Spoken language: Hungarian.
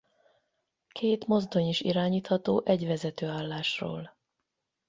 Két mozdony is irányítható egy vezetőállásról.